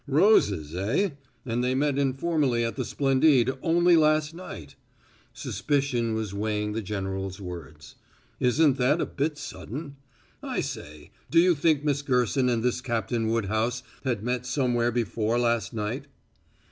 "Roses, eh? And they met informally at the Splendide only last night." Suspicion was weighing the general's words. "Isn't that a bit sudden? I say, do you think Miss Gerson and this Captain Woodhouse had met somewhere before last night?"